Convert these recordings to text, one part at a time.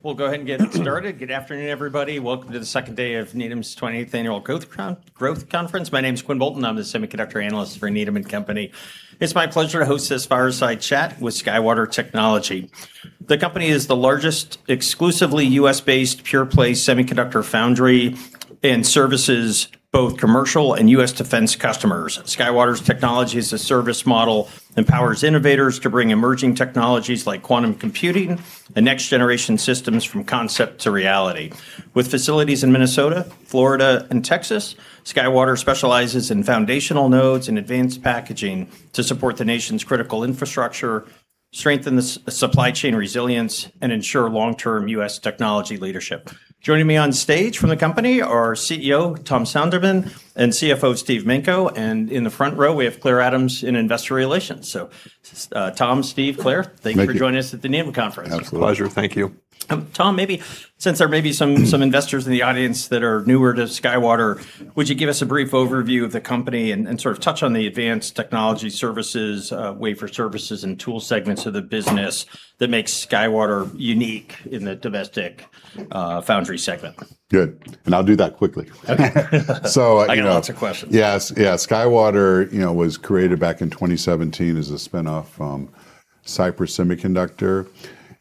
We'll go ahead and get started. Good afternoon, everybody. Welcome to the second day of Needham's 20th Annual Growth Conference. My name is Quinn Bolton. I'm the Semiconductor Analyst for Needham & Company. It's my pleasure to host this fireside chat with SkyWater Technology. The company is the largest exclusively U.S.-based pure-play semiconductor foundry and services both commercial and U.S. defense customers. SkyWater Technology as a Service model empowers innovators to bring emerging technologies like quantum computing and next-generation systems from concept to reality. With facilities in Minnesota, Florida, and Texas, SkyWater specializes in foundational nodes and advanced packaging to support the nation's critical infrastructure, strengthen the supply chain resilience, and ensure long-term U.S. technology leadership. Joining me on stage from the company are CEO Tom Sonderman and CFO Steve Manko, and in the front row, we have Claire Adams in investor relations. So, Tom, Steve, Claire, thank you for joining us at the Needham Conference. Absolutely. Pleasure. Thank you. Tom, maybe since there may be some investors in the audience that are newer to SkyWater, would you give us a brief overview of the company and sort of touch on the Advanced Technology Services, Wafer Services, and tool segments of the business that makes SkyWater unique in the domestic foundry segment? Good. And I'll do that quickly. Okay. So. I know that's a question. Yes. Yeah. SkyWater was created back in 2017 as a spinoff from Cypress Semiconductor.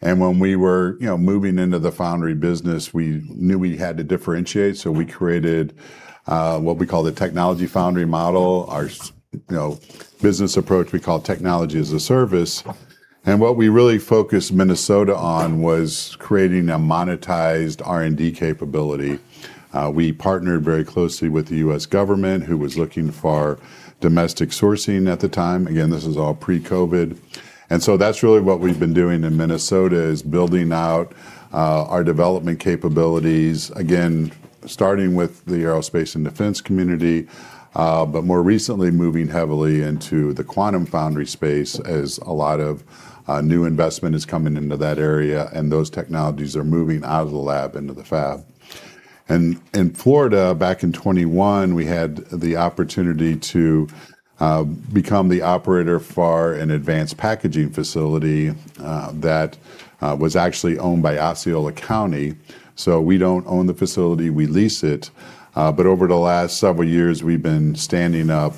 And when we were moving into the foundry business, we knew we had to differentiate. So we created what we call the technology foundry model, our business approach we call technology as a service. And what we really focused in Minnesota on was creating a monetized R&D capability. We partnered very closely with the U.S. government, who was looking for domestic sourcing at the time. Again, this is all pre-COVID. And so that's really what we've been doing in Minnesota is building out our development capabilities, again, starting with the aerospace and defense community, but more recently moving heavily into the quantum foundry space as a lot of new investment is coming into that area, and those technologies are moving out of the lab into the fab. And in Florida, back in 2021, we had the opportunity to become the operator for an advanced packaging facility that was actually owned by Osceola County. So we don't own the facility. We lease it. But over the last several years, we've been standing up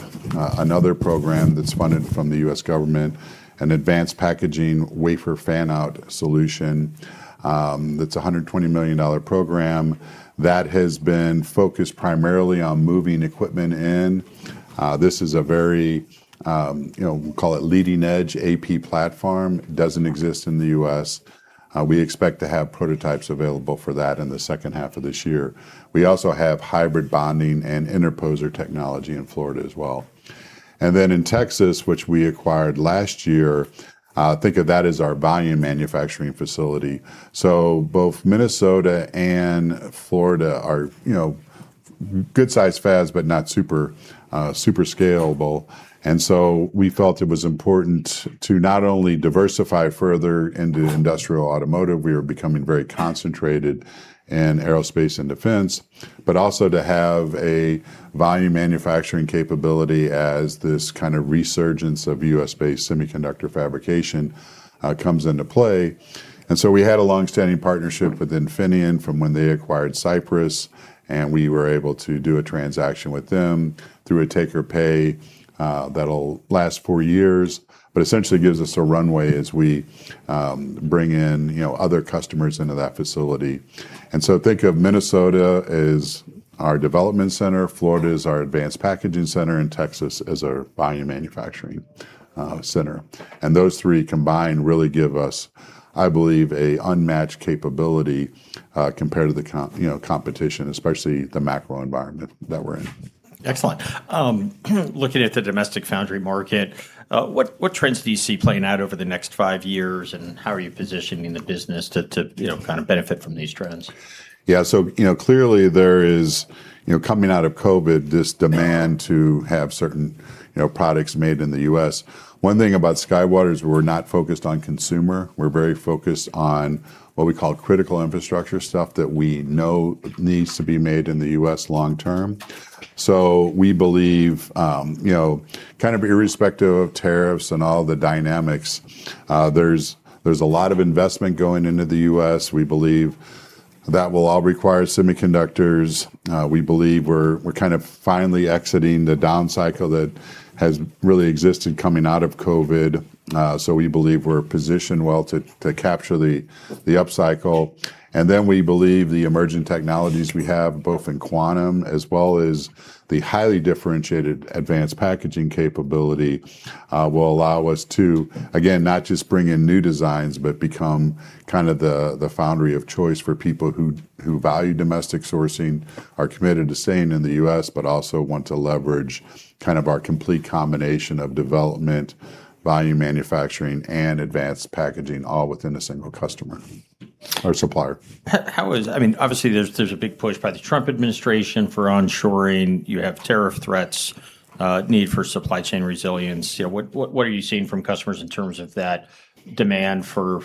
another program that's funded from the U.S. government, an advanced packaging wafer fan-out solution. That's a $120 million program that has been focused primarily on moving equipment in. This is a very, we'll call it leading-edge AP platform. It doesn't exist in the U.S. We expect to have prototypes available for that in the second half of this year. We also have hybrid bonding and interposer technology in Florida as well. And then in Texas, which we acquired last year, think of that as our volume manufacturing facility. So both Minnesota and Florida are good-sized fabs, but not super scalable. And so we felt it was important to not only diversify further into industrial automotive, we were becoming very concentrated in aerospace and defense, but also to have a volume manufacturing capability as this kind of resurgence of U.S.-based semiconductor fabrication comes into play. And so we had a longstanding partnership with Infineon from when they acquired Cypress, and we were able to do a transaction with them through a take-or-pay that'll last four years, but essentially gives us a runway as we bring in other customers into that facility. And so think of Minnesota as our development center, Florida as our advanced packaging center, and Texas as our volume manufacturing center. And those three combined really give us, I believe, an unmatched capability compared to the competition, especially the macro environment that we're in. Excellent. Looking at the domestic foundry market, what trends do you see playing out over the next five years, and how are you positioning the business to kind of benefit from these trends? Yeah. So clearly, there is, coming out of COVID, this demand to have certain products made in the U.S. One thing about SkyWater is we're not focused on consumer. We're very focused on what we call critical infrastructure stuff that we know needs to be made in the U.S. long term. So we believe, kind of irrespective of tariffs and all the dynamics, there's a lot of investment going into the U.S. We believe that will all require semiconductors. We believe we're kind of finally exiting the down cycle that has really existed coming out of COVID. So we believe we're positioned well to capture the up cycle. And then we believe the emerging technologies we have, both in quantum as well as the highly differentiated advanced packaging capability, will allow us to, again, not just bring in new designs, but become kind of the foundry of choice for people who value domestic sourcing, are committed to staying in the U.S., but also want to leverage kind of our complete combination of development, volume manufacturing, and advanced packaging, all within a single customer or supplier. I mean, obviously, there's a big push by the Trump administration for onshoring. You have tariff threats, need for supply chain resilience. What are you seeing from customers in terms of that demand for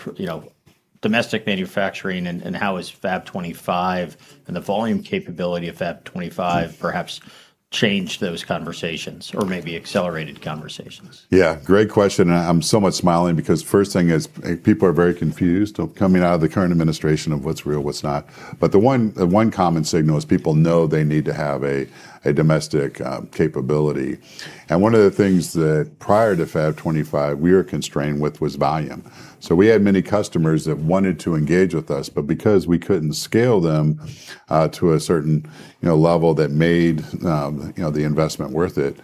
domestic manufacturing, and how has Fab 25 and the volume capability of Fab 25 perhaps changed those conversations or maybe accelerated conversations? Yeah. Great question. I'm somewhat smiling because the first thing is people are very confused coming out of the current administration of what's real, what's not. But the one common signal is people know they need to have a domestic capability. And one of the things that prior to Fab 25 we were constrained with was volume. So we had many customers that wanted to engage with us, but because we couldn't scale them to a certain level that made the investment worth it,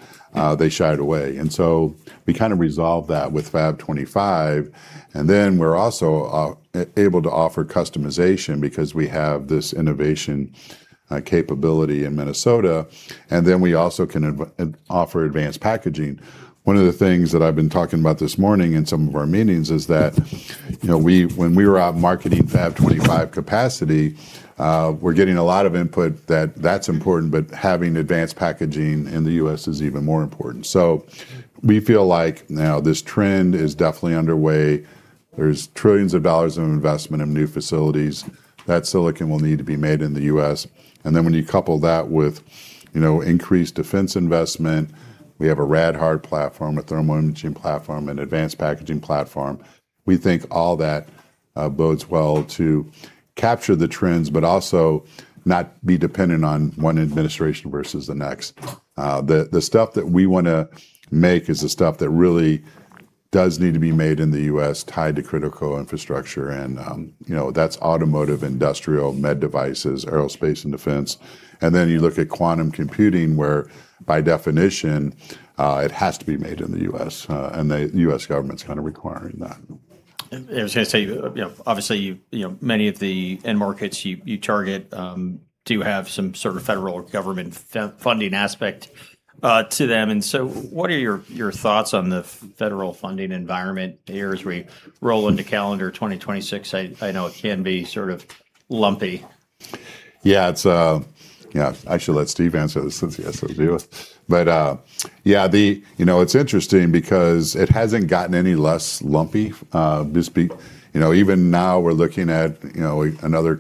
they shied away. And so we kind of resolved that with Fab 25. And then we're also able to offer customization because we have this innovation capability in Minnesota. And then we also can offer advanced packaging. One of the things that I've been talking about this morning in some of our meetings is that when we were out marketing Fab 25 capacity, we're getting a lot of input that that's important, but having advanced packaging in the U.S. is even more important. So we feel like now this trend is definitely underway. There's trillions of dollars of investment in new facilities that silicon will need to be made in the U.S. And then when you couple that with increased defense investment, we have a rad-hard platform, a thermal imaging platform, an advanced packaging platform. We think all that bodes well to capture the trends, but also not be dependent on one administration versus the next. The stuff that we want to make is the stuff that really does need to be made in the U.S., tied to critical infrastructure. And that's automotive, industrial, med devices, aerospace, and defense. And then you look at quantum computing, where by definition, it has to be made in the U.S., and the U.S. government's kind of requiring that. I was going to say, obviously, many of the end markets you target do have some sort of federal government funding aspect to them. And so what are your thoughts on the federal funding environment here as we roll into calendar 2026? I know it can be sort of lumpy. Yeah. Actually, let Steve answer this since he has to deal with it. But yeah, it's interesting because it hasn't gotten any less lumpy. Even now, we're looking at another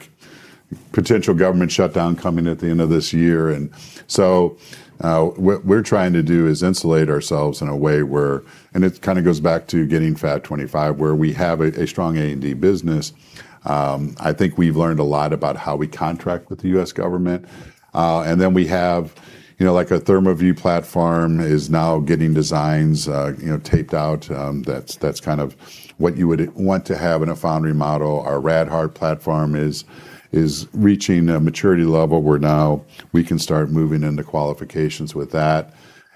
potential government shutdown coming at the end of this year. And so what we're trying to do is insulate ourselves in a way where, and it kind of goes back to getting Fab 25, where we have a strong A&D business. I think we've learned a lot about how we contract with the U.S. government. And then we have like a ThermaVue or ThermalView platform is now getting designs taped out. That's kind of what you would want to have in a foundry model. Our rad hard platform is reaching a maturity level where now we can start moving into qualifications with that.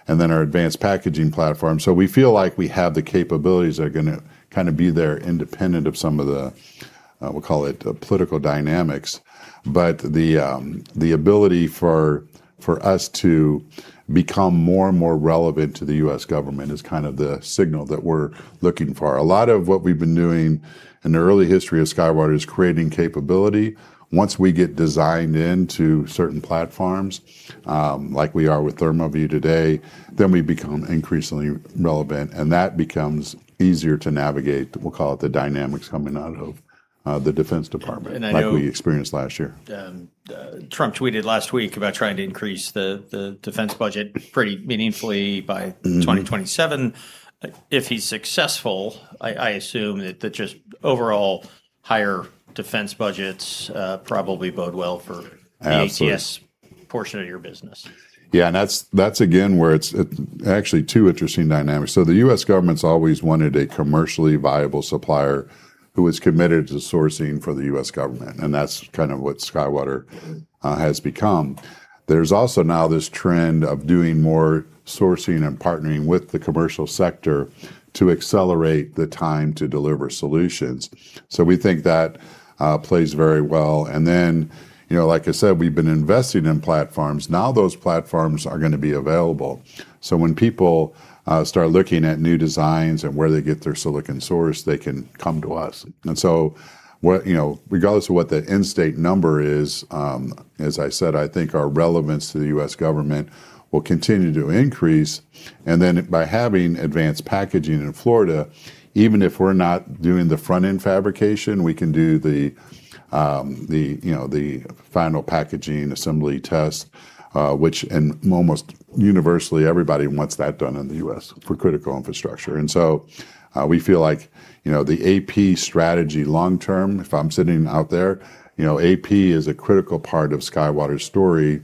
And then our advanced packaging platform. So we feel like we have the capabilities that are going to kind of be there independent of some of the, we'll call it political dynamics. But the ability for us to become more and more relevant to the U.S. government is kind of the signal that we're looking for. A lot of what we've been doing in the early history of SkyWater is creating capability. Once we get designed into certain platforms, like we are with ThermaVue today, then we become increasingly relevant, and that becomes easier to navigate. We'll call it the dynamics coming out of the Defense Department, like we experienced last year. Trump tweeted last week about trying to increase the defense budget pretty meaningfully by 2027. If he's successful, I assume that just overall higher defense budgets probably bode well for the ATS portion of your business. Yeah. And that's, again, where it's actually two interesting dynamics. So the U.S. government's always wanted a commercially viable supplier who is committed to sourcing for the U.S. government. And that's kind of what SkyWater has become. There's also now this trend of doing more sourcing and partnering with the commercial sector to accelerate the time to deliver solutions. So we think that plays very well. And then, like I said, we've been investing in platforms. Now those platforms are going to be available. So when people start looking at new designs and where they get their silicon source, they can come to us. And so regardless of what the end state number is, as I said, I think our relevance to the U.S. government will continue to increase. By having advanced packaging in Florida, even if we're not doing the front-end fabrication, we can do the final packaging assembly test, which almost universally everybody wants that done in the U.S. for critical infrastructure. We feel like the AP strategy long term, if I'm sitting out there, AP is a critical part of SkyWater's story.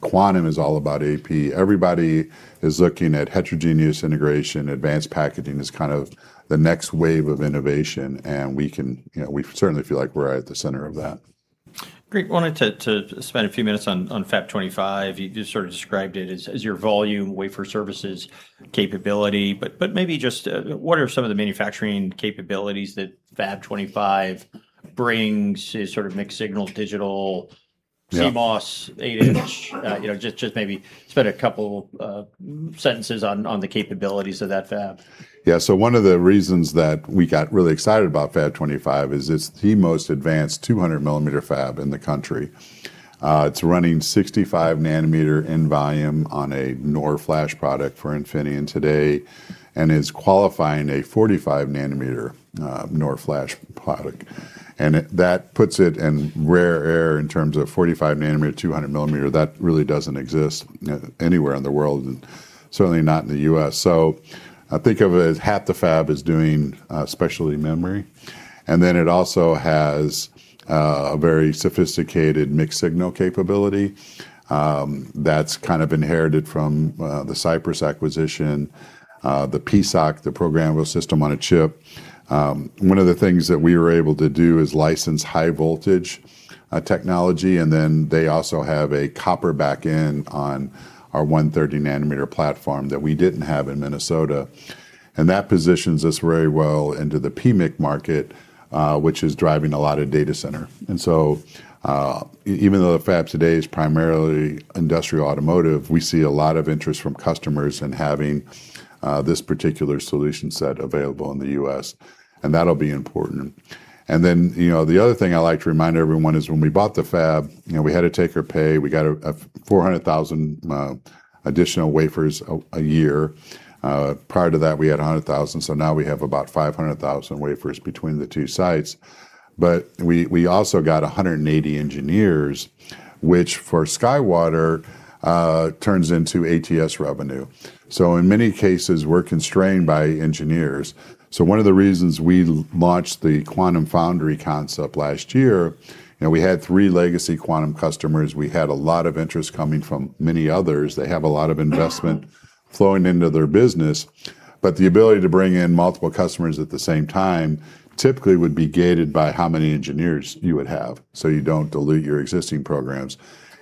Quantum is all about AP. Everybody is looking at heterogeneous integration. Advanced packaging is kind of the next wave of innovation. We certainly feel like we're at the center of that. Great. I wanted to spend a few minutes on Fab 25. You sort of described it as your volume wafer services capability. But maybe just what are some of the manufacturing capabilities that Fab 25 brings? Is sort of mixed-signal, digital, CMOS, 8-inch? Just maybe spend a couple of sentences on the capabilities of that fab. Yeah. So one of the reasons that we got really excited about Fab 25 is it's the most advanced 200-millimeter fab in the country. It's running 65-nanometer in volume on a NOR Flash product for Infineon today and is qualifying a 45-nanometer NOR Flash product. And that puts it in rare air in terms of 45-nanometer, 200-millimeter. That really doesn't exist anywhere in the world, certainly not in the U.S. So think of it as half the fab is doing specialty memory. And then it also has a very sophisticated mixed signal capability that's kind of inherited from the Cypress acquisition, the PSoC, the programmable system on a chip. One of the things that we were able to do is license high voltage technology. And then they also have a copper back end on our 130-nanometer platform that we didn't have in Minnesota. And that positions us very well into the PMIC market, which is driving a lot of data center. And so even though the fab today is primarily industrial automotive, we see a lot of interest from customers in having this particular solution set available in the U.S. And that'll be important. And then the other thing I like to remind everyone is when we bought the fab, we had to take-or-pay. We got 400,000 additional wafers a year. Prior to that, we had 100,000. So now we have about 500,000 wafers between the two sites. But we also got 180 engineers, which for SkyWater turns into ATS revenue. So in many cases, we're constrained by engineers. So one of the reasons we launched the quantum foundry concept last year, we had three legacy quantum customers. We had a lot of interest coming from many others. They have a lot of investment flowing into their business. But the ability to bring in multiple customers at the same time typically would be gated by how many engineers you would have so you don't dilute your existing programs.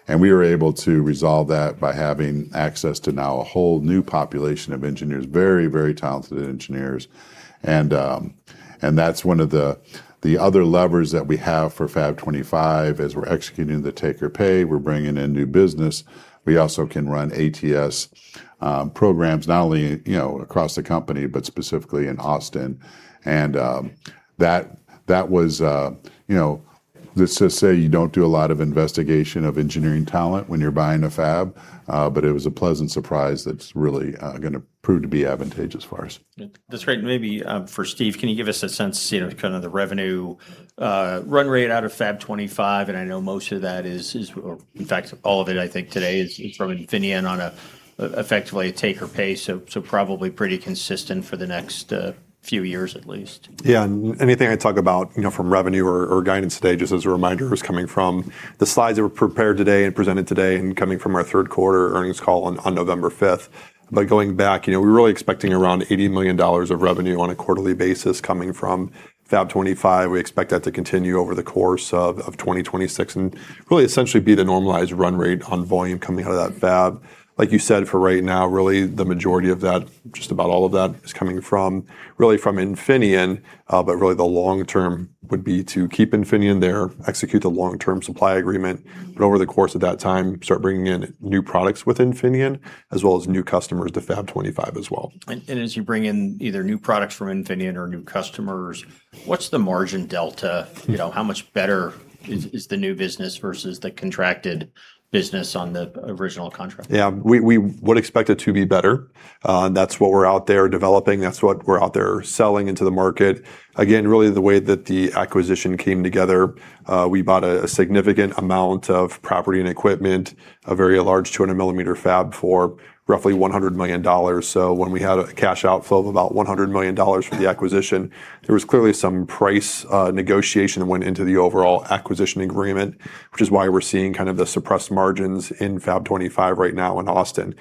And we were able to resolve that by having access to now a whole new population of engineers, very, very talented engineers. And that's one of the other levers that we have for Fab 25. As we're executing the take-or-pay, we're bringing in new business. We also can run ATS programs not only across the company, but specifically in Austin. And that was, let's just say, you don't do a lot of investigation of engineering talent when you're buying a fab. But it was a pleasant surprise that's really going to prove to be advantageous for us. That's great. Maybe for Steve, can you give us a sense of kind of the revenue run rate out of Fab 25? And I know most of that is, in fact, all of it, I think today is from Infineon on effectively a take-or-pay, so probably pretty consistent for the next few years at least. Yeah. And anything I talk about from revenue or guidance today, just as a reminder, is coming from the slides that were prepared today and presented today and coming from our third quarter earnings call on November 5th. But going back, we're really expecting around $80 million of revenue on a quarterly basis coming from Fab 25. We expect that to continue over the course of 2026 and really essentially be the normalized run rate on volume coming out of that fab. Like you said, for right now, really the majority of that, just about all of that, is coming from really from Infineon. But really the long term would be to keep Infineon there, execute the long-term supply agreement, but over the course of that time, start bringing in new products with Infineon as well as new customers to Fab 25 as well. As you bring in either new products from Infineon or new customers, what's the margin delta? How much better is the new business versus the contracted business on the original contract? Yeah. We would expect it to be better. That's what we're out there developing. That's what we're out there selling into the market. Again, really the way that the acquisition came together, we bought a significant amount of property and equipment, a very large 200-millimeter fab for roughly $100 million. So when we had a cash outflow of about $100 million for the acquisition, there was clearly some price negotiation that went into the overall acquisition agreement, which is why we're seeing kind of the suppressed margins in Fab 25 right now in Austin.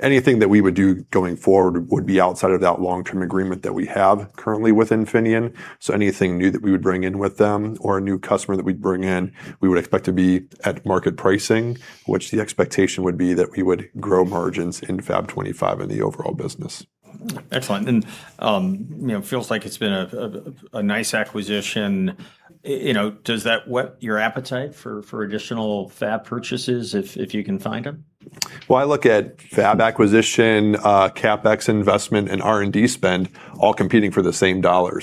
Anything that we would do going forward would be outside of that long-term agreement that we have currently with Infineon. So, anything new that we would bring in with them or a new customer that we'd bring in, we would expect to be at market pricing, which the expectation would be that we would grow margins in Fab 25 in the overall business. Excellent. And it feels like it's been a nice acquisition. Does that whet your appetite for additional fab purchases if you can find them? I look at fab acquisition, CapEx investment, and R&D spend all competing for the same dollar.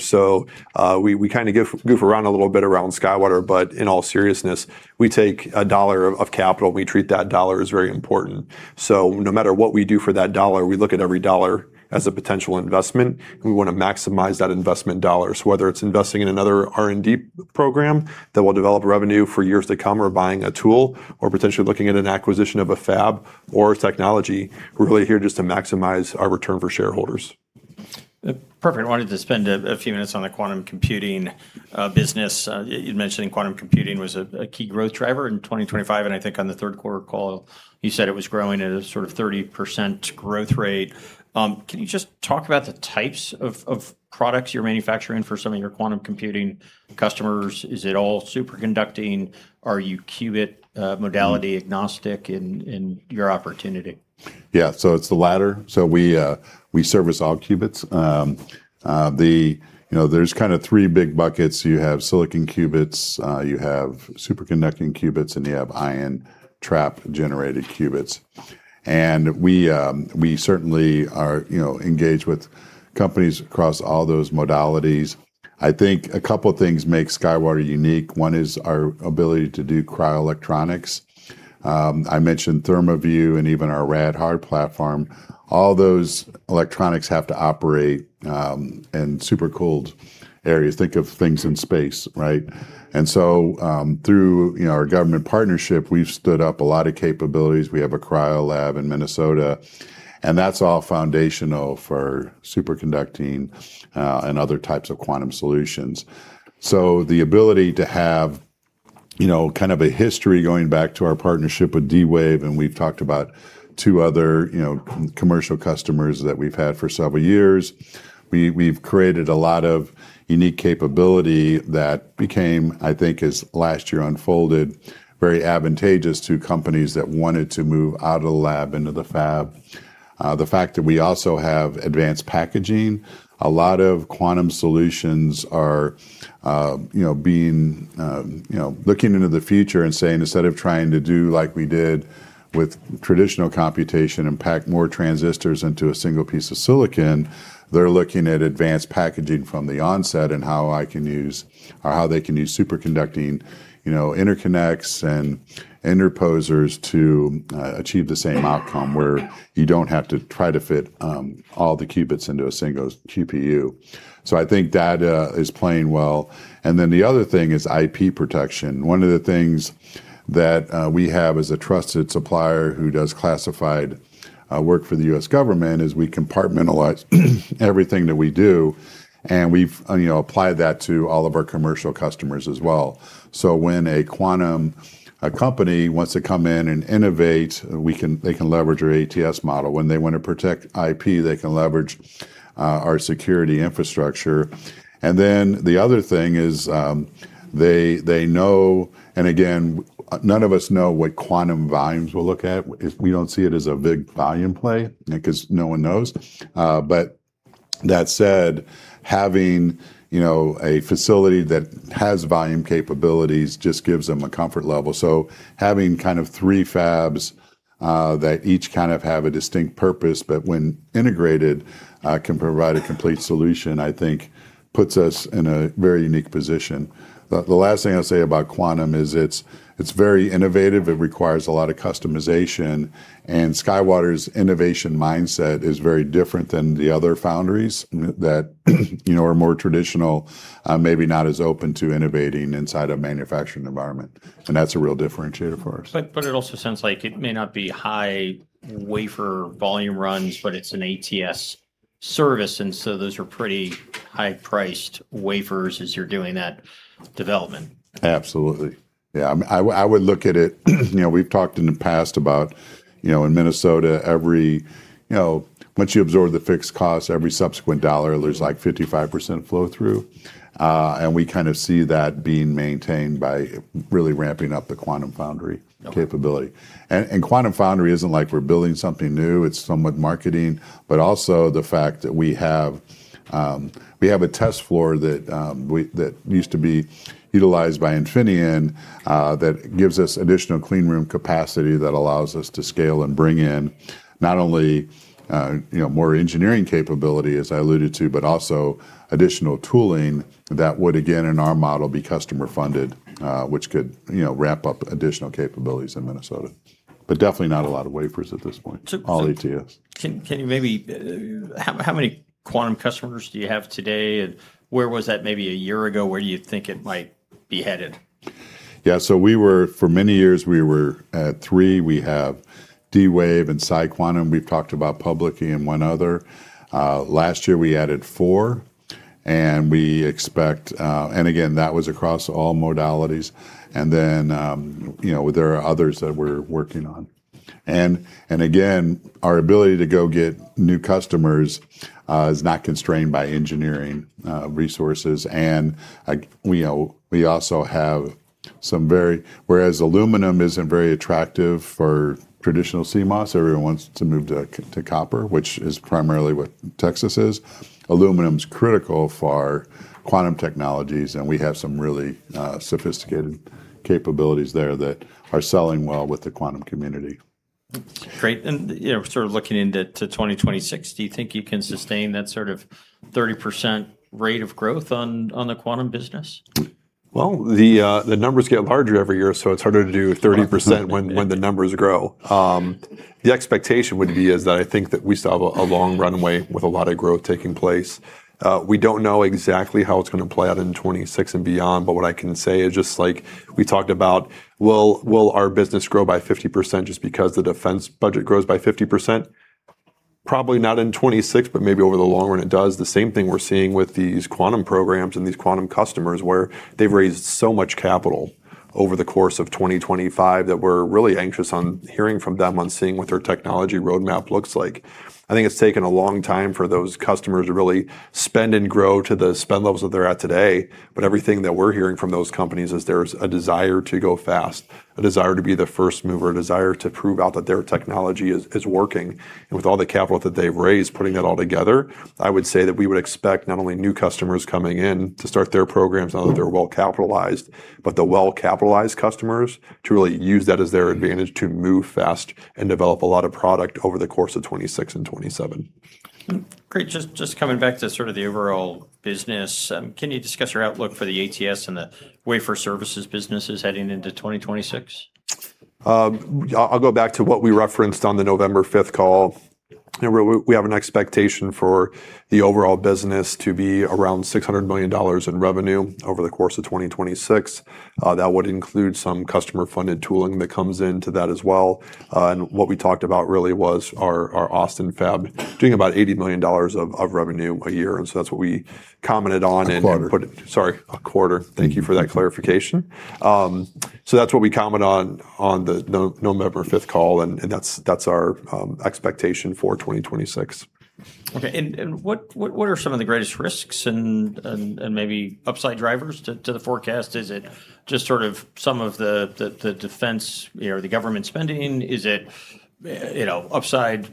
We kind of goof around a little bit around SkyWater. In all seriousness, we take a dollar of capital. We treat that dollar as very important. No matter what we do for that dollar, we look at every dollar as a potential investment. We want to maximize that investment dollars, whether it's investing in another R&D program that will develop revenue for years to come or buying a tool or potentially looking at an acquisition of a fab or technology. We're really here just to maximize our return for shareholders. Perfect. I wanted to spend a few minutes on the quantum computing business. You'd mentioned quantum computing was a key growth driver in 2025. And I think on the third quarter call, you said it was growing at a sort of 30% growth rate. Can you just talk about the types of products you're manufacturing for some of your quantum computing customers? Is it all superconducting? Are you qubit modality agnostic in your opportunity? Yeah. So it's the latter. So we service all qubits. There's kind of three big buckets. You have silicon qubits, you have superconducting qubits, and you have ion trap-generated qubits. And we certainly are engaged with companies across all those modalities. I think a couple of things make SkyWater unique. One is our ability to do cryo-electronics. I mentioned ThermaVue and even our rad hard platform. All those electronics have to operate in supercooled areas. Think of things in space, right? And so through our government partnership, we've stood up a lot of capabilities. We have a cryo lab in Minnesota. And that's all foundational for superconducting and other types of quantum solutions. So the ability to have kind of a history going back to our partnership with D-Wave, and we've talked about two other commercial customers that we've had for several years. We've created a lot of unique capability that became, I think, as last year unfolded, very advantageous to companies that wanted to move out of the lab into the fab. The fact that we also have advanced packaging, a lot of quantum solutions are looking into the future and saying, instead of trying to do like we did with traditional computation and pack more transistors into a single piece of silicon, they're looking at advanced packaging from the onset and how I can use or how they can use superconducting interconnects and interposers to achieve the same outcome where you don't have to try to fit all the qubits into a single GPU. So I think that is playing well. And then the other thing is IP protection. One of the things that we have as a trusted supplier who does classified work for the U.S. government is we compartmentalize everything that we do. And we've applied that to all of our commercial customers as well. So when a quantum company wants to come in and innovate, they can leverage our ATS model. When they want to protect IP, they can leverage our security infrastructure. And then the other thing is they know, and again, none of us know what quantum volumes we'll look at. We don't see it as a big volume play because no one knows. But that said, having a facility that has volume capabilities just gives them a comfort level. So having kind of three fabs that each kind of have a distinct purpose, but when integrated, can provide a complete solution, I think puts us in a very unique position. The last thing I'll say about quantum is it's very innovative. It requires a lot of customization. SkyWater's innovation mindset is very different than the other foundries that are more traditional, maybe not as open to innovating inside a manufacturing environment. That's a real differentiator for us. But it also sounds like it may not be high wafer volume runs, but it's an ATS service. And so those are pretty high-priced wafers as you're doing that development. Absolutely. Yeah. I would look at it. We've talked in the past about in Minnesota, once you absorb the fixed cost, every subsequent dollar, there's like 55% flow through, and we kind of see that being maintained by really ramping up the quantum foundry capability. And quantum foundry isn't like we're building something new. It's somewhat marketing, but also the fact that we have a test floor that used to be utilized by Infineon that gives us additional clean room capacity that allows us to scale and bring in not only more engineering capability, as I alluded to, but also additional tooling that would, again, in our model, be customer-funded, which could ramp up additional capabilities in Minnesota. But definitely not a lot of wafers at this point, all ATS. Can you maybe how many quantum customers do you have today? And where was that maybe a year ago? Where do you think it might be headed? Yeah. So for many years, we were at three. We have D-Wave and PsiQuantum. We've talked about publicly and one other. Last year, we added four. And again, that was across all modalities. And then there are others that we're working on. And again, our ability to go get new customers is not constrained by engineering resources. And we also have some very whereas aluminum isn't very attractive for traditional CMOS, everyone wants to move to copper, which is primarily what Texas is. Aluminum is critical for quantum technologies. And we have some really sophisticated capabilities there that are selling well with the quantum community. Great. And sort of looking into 2026, do you think you can sustain that sort of 30% rate of growth on the quantum business? The numbers get larger every year. So it's harder to do 30% when the numbers grow. The expectation would be is that I think that we still have a long runway with a lot of growth taking place. We don't know exactly how it's going to play out in 2026 and beyond. But what I can say is just like we talked about, will our business grow by 50% just because the defense budget grows by 50%? Probably not in 2026, but maybe over the long run it does. The same thing we're seeing with these quantum programs and these quantum customers where they've raised so much capital over the course of 2025 that we're really anxious on hearing from them on seeing what their technology roadmap looks like. I think it's taken a long time for those customers to really spend and grow to the spend levels that they're at today. But everything that we're hearing from those companies is there's a desire to go fast, a desire to be the first mover, a desire to prove out that their technology is working, and with all the capital that they've raised, putting that all together, I would say that we would expect not only new customers coming in to start their programs now that they're well capitalized, but the well-capitalized customers to really use that as their advantage to move fast and develop a lot of product over the course of 2026 and 2027. Great. Just coming back to sort of the overall business, can you discuss your outlook for the ATS and the wafer services businesses heading into 2026? I'll go back to what we referenced on the November 5th call. We have an expectation for the overall business to be around $600 million in revenue over the course of 2026. That would include some customer-funded tooling that comes into that as well. And what we talked about really was our Austin fab doing about $80 million of revenue a year. And so that's what we commented on. A quarter. Sorry, a quarter. Thank you for that clarification. So that's what we comment on the November 5th call. And that's our expectation for 2026. Okay. And what are some of the greatest risks and maybe upside drivers to the forecast? Is it just sort of some of the defense or the government spending? Is it upside,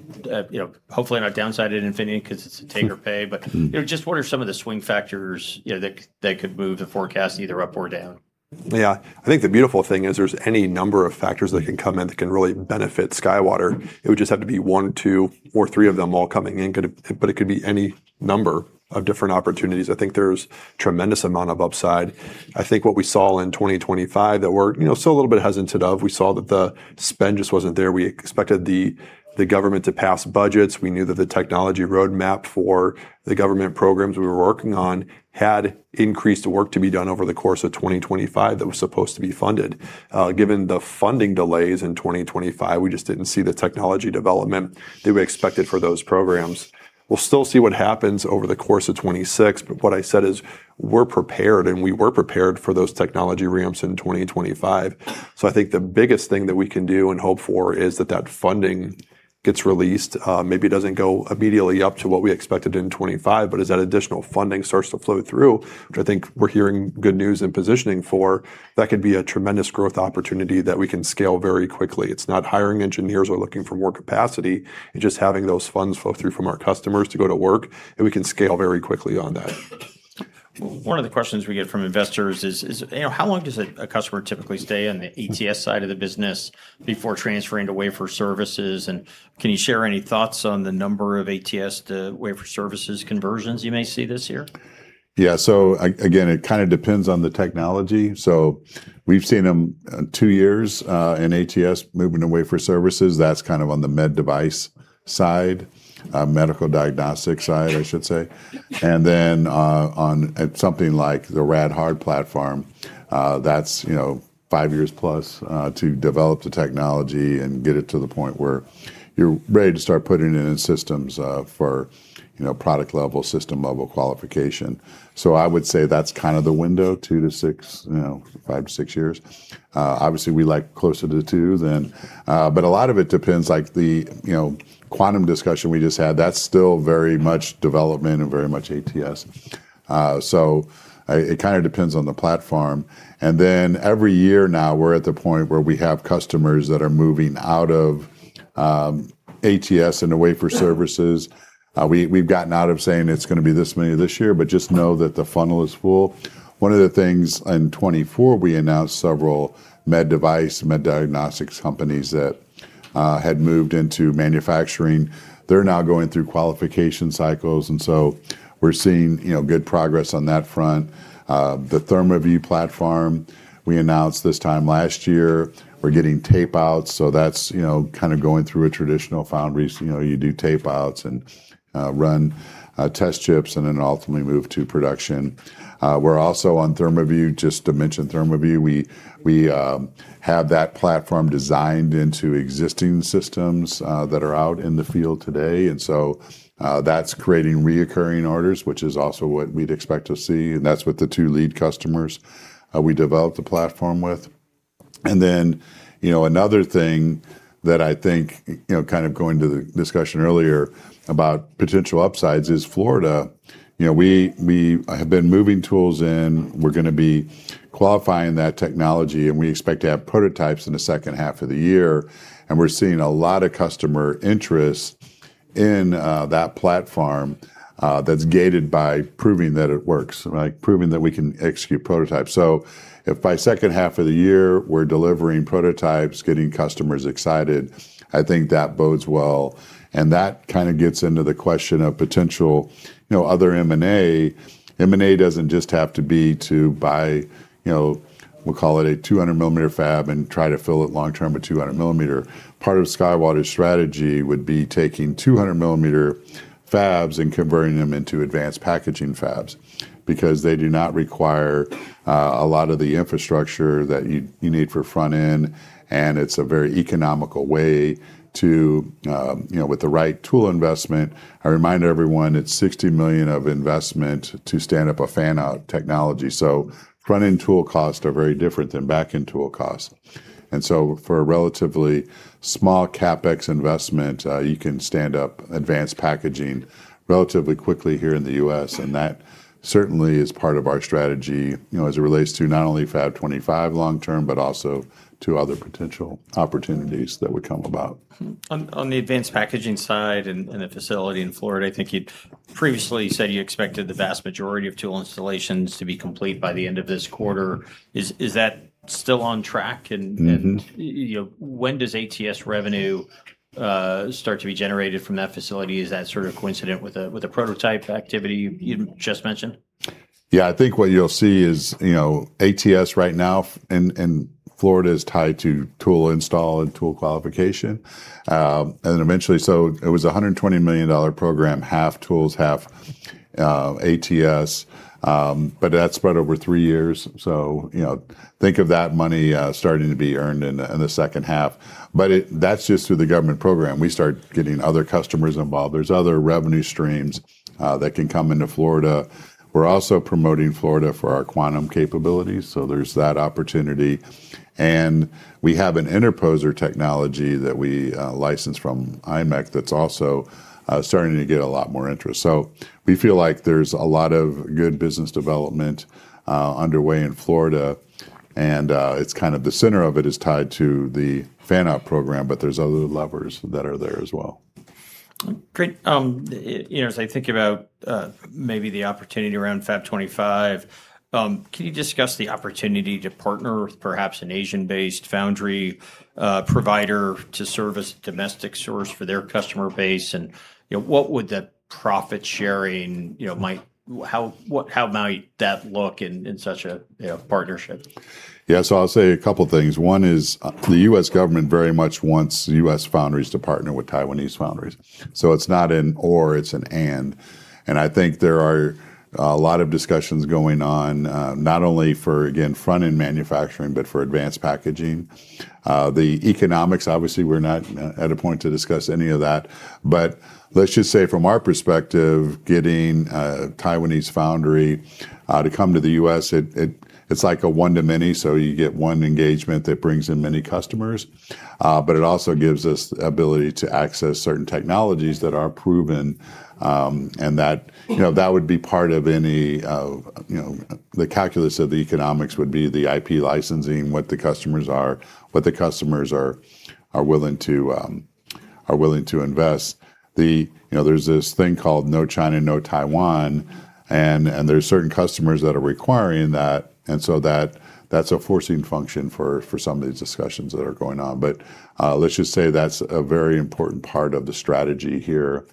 hopefully not downside in Infineon because it's a take or pay? But just what are some of the swing factors that could move the forecast either up or down? Yeah. I think the beautiful thing is there's any number of factors that can come in that can really benefit SkyWater. It would just have to be one, two, or three of them all coming in. But it could be any number of different opportunities. I think there's a tremendous amount of upside. I think what we saw in 2025 that we're still a little bit hesitant of, we saw that the spend just wasn't there. We expected the government to pass budgets. We knew that the technology roadmap for the government programs we were working on had increased work to be done over the course of 2025 that was supposed to be funded. Given the funding delays in 2025, we just didn't see the technology development that we expected for those programs. We'll still see what happens over the course of 2026. But what I said is we're prepared and we were prepared for those technology ramps in 2025. So I think the biggest thing that we can do and hope for is that that funding gets released. Maybe it doesn't go immediately up to what we expected in 2025, but as that additional funding starts to flow through, which I think we're hearing good news and positioning for, that could be a tremendous growth opportunity that we can scale very quickly. It's not hiring engineers or looking for more capacity. It's just having those funds flow through from our customers to go to work. And we can scale very quickly on that. One of the questions we get from investors is, how long does a customer typically stay on the ATS side of the business before transferring to wafer services? And can you share any thoughts on the number of ATS to wafer services conversions you may see this year? Yeah. So again, it kind of depends on the technology. So we've seen them in two years in ATS moving to wafer services. That's kind of on the med device side, medical diagnostic side, I should say. And then on something like the rad-hard platform, that's five years plus to develop the technology and get it to the point where you're ready to start putting it in systems for product level, system level qualification. So I would say that's kind of the window, two to six, five to six years. Obviously, we like closer to two than, but a lot of it depends. Like the quantum discussion we just had, that's still very much development and very much ATS. So it kind of depends on the platform. Then every year now, we're at the point where we have customers that are moving out of ATS and to wafer services. We've gotten out of saying it's going to be this many this year, but just know that the funnel is full. One of the things in 2024, we announced several med device, med diagnostics companies that had moved into manufacturing. They're now going through qualification cycles. And so we're seeing good progress on that front. The ThermaVue platform, we announced this time last year, we're getting tape outs. So that's kind of going through a traditional foundry. You do tape outs and run test chips and then ultimately move to production. We're also on ThermaVue, just to mention ThermaVue. We have that platform designed into existing systems that are out in the field today. And so that's creating recurring orders, which is also what we'd expect to see. And that's with the two lead customers we developed the platform with. And then another thing that I think kind of going to the discussion earlier about potential upsides is Florida. We have been moving tools in. We're going to be qualifying that technology. And we expect to have prototypes in the second half of the year. And we're seeing a lot of customer interest in that platform that's gated by proving that it works, proving that we can execute prototypes. So if by second half of the year, we're delivering prototypes, getting customers excited, I think that bodes well. And that kind of gets into the question of potential other M&A. M&A doesn't just have to be to buy, we'll call it a 200-millimeter fab and try to fill it long term with 200-millimeter. Part of SkyWater's strategy would be taking 200-millimeter fabs and converting them into advanced packaging fabs because they do not require a lot of the infrastructure that you need for front end. And it's a very economical way to, with the right tool investment. I remind everyone, it's $60 million of investment to stand up a fan-out technology. So front end tool costs are very different than back end tool costs. And so for a relatively small CapEx investment, you can stand up advanced packaging relatively quickly here in the U.S. And that certainly is part of our strategy as it relates to not only Fab 25 long term, but also to other potential opportunities that would come about. On the advanced packaging side and the facility in Florida, I think you previously said you expected the vast majority of tool installations to be complete by the end of this quarter. Is that still on track? And when does ATS revenue start to be generated from that facility? Is that sort of coincident with the prototype activity you just mentioned? Yeah. I think what you'll see is ATS right now in Florida is tied to tool install and tool qualification, and then eventually, so it was a $120 million program, half tools, half ATS, but that's spread over three years, so think of that money starting to be earned in the second half, but that's just through the government program, we start getting other customers involved, there's other revenue streams that can come into Florida, we're also promoting Florida for our quantum capabilities, so there's that opportunity, and we have an interposer technology that we license from imec that's also starting to get a lot more interest, so we feel like there's a lot of good business development underway in Florida, and it's kind of the center of it is tied to the fan-out program, but there's other levers that are there as well. Great. As I think about maybe the opportunity around Fab 25, can you discuss the opportunity to partner with perhaps an Asian-based foundry provider to service domestic source for their customer base? And what would the profit sharing might, how might that look in such a partnership? Yeah. So I'll say a couple of things. One is the U.S. government very much wants U.S. foundries to partner with Taiwanese foundries. So it's not an or, it's an and. And I think there are a lot of discussions going on not only for, again, front end manufacturing, but for advanced packaging. The economics, obviously, we're not at a point to discuss any of that. But let's just say from our perspective, getting Taiwanese foundry to come to the U.S., it's like a one to many. So you get one engagement that brings in many customers. But it also gives us the ability to access certain technologies that are proven. And that would be part of the calculus of the economics would be the IP licensing, what the customers are, what the customers are willing to invest. There's this thing called no China, no Taiwan. And there's certain customers that are requiring that. And so that's a forcing function for some of these discussions that are going on. But let's just say that's a very important part of the strategy here.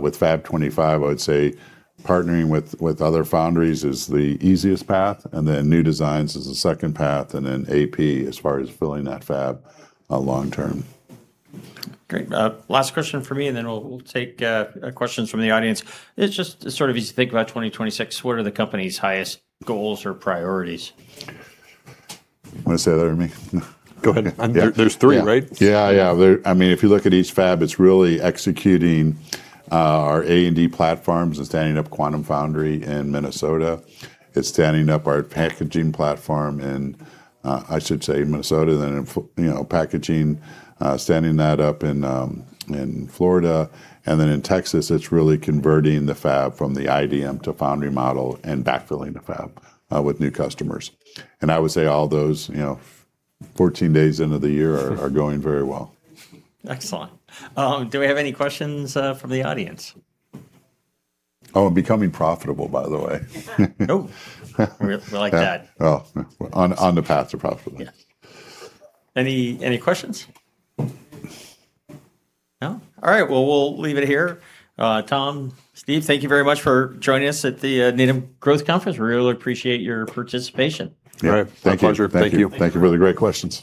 With Fab 25, I would say partnering with other foundries is the easiest path. And then new designs is the second path. And then AP as far as filling that fab long term. Great. Last question for me, and then we'll take questions from the audience. It's just sort of easy to think about 2026. What are the company's highest goals or priorities? You want to say that with me? Go ahead. There's three, right? Yeah, yeah. I mean, if you look at each fab, it's really executing our A&D platforms and standing up quantum foundry in Minnesota. It's standing up our packaging platform in, I should say, Minnesota, then packaging, standing that up in Florida. And then in Texas, it's really converting the fab from the IDM to foundry model and backfilling the fab with new customers. And I would say all those 14 days into the year are going very well. Excellent. Do we have any questions from the audience? Oh, becoming profitable, by the way. Oh, we like that. Oh, on the path to profitability. Any questions? No? All right. Well, we'll leave it here. Tom, Steve, thank you very much for joining us at the Needham Growth Conference. We really appreciate your participation. All right. Thank you. Thank you. Thank you for the great questions.